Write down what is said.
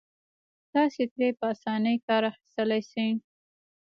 تاسې ترې په اسانۍ کار اخيستلای شئ.